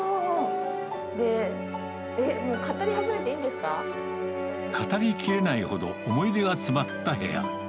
で、語りきれないほど、思い出が詰まった部屋。